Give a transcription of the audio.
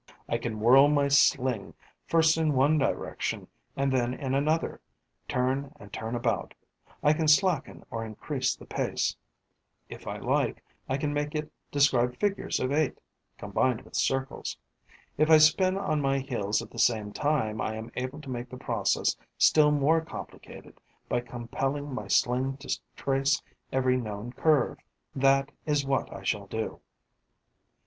I can whirl my sling first in one direction and then in another, turn and turn about; I can slacken or increase the pace; if I like, I can make it describe figures of eight, combined with circles; if I spin on my heels at the same time, I am able to make the process still more complicated by compelling my sling to trace every known curve. That is what I shall do.